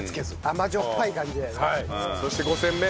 甘じょっぱい感じだよね。